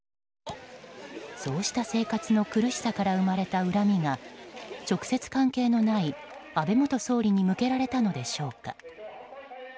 そうした生活の苦しさから生まれた恨みが直接関係のない安倍元総理に向けられたのでしょうか。